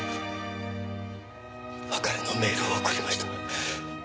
別れのメールを送りました。